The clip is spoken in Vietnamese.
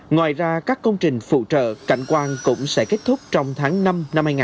ngoài ra các công trình phụ trợ cảnh quan cũng sẽ kết thúc trong tháng năm năm hai nghìn hai mươi